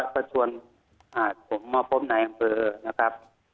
ก็ชวนผมมาพบนายอำเภอนะครับ